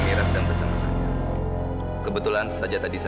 jadi kamu jangan berani berani marahin amira